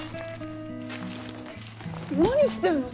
何してんの？